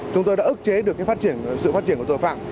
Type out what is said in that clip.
chúng tôi đã ức chế được sự phát triển của tội phạm